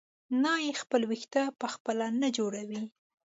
نایي خپل وېښته په خپله نه جوړوي.